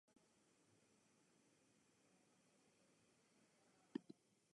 There is also a street named Hector Street in Conshohocken.